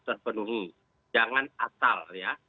terpenuhi jangan asal ya